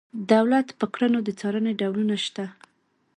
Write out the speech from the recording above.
دولت په کړنو د څارنې ډولونه شته.